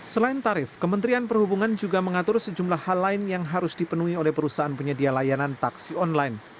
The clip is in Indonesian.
selain tarif kementerian perhubungan juga mengatur sejumlah hal lain yang harus dipenuhi oleh perusahaan penyedia layanan taksi online